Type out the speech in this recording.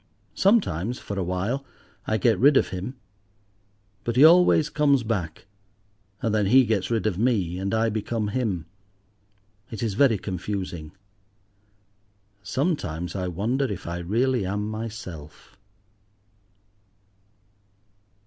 Sometimes, for a while, I get rid of him, but he always comes back; and then he gets rid of me and I become him. It is very confusing. Sometimes I wonder if I really am myself.